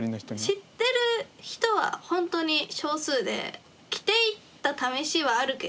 知ってる人は本当に少数で着ていったためしはあるけどあの服を。